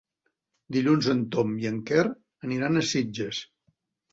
Dilluns en Tom i en Quer aniran a Sitges.